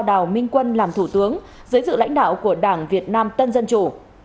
đào minh quân làm thủ tướng giới dự lãnh đạo của đảng việt nam tân dân chủ